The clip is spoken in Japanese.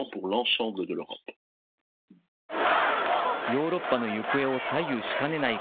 ヨーロッパの行方を左右しかねない